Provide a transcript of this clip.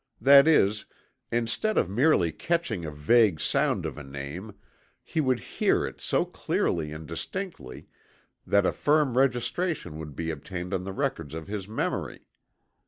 That is, instead of merely catching a vague sound of a name, he would hear it so clearly and distinctly that a firm registration would be obtained on the records of his memory.